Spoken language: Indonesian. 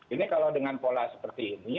ini kalau dengan pola seperti ini